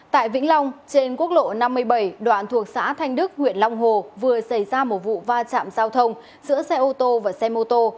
tại vĩnh long trên quốc lộ năm mươi bảy đoạn thuộc xã thanh đức huyện long hồ vừa xảy ra một vụ va chạm giao thông giữa xe ô tô và xe mô tô